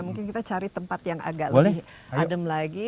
mungkin kita cari tempat yang agak lebih adem lagi